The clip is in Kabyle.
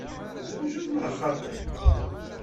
Tzewǧeḍ neɣ xaṭi?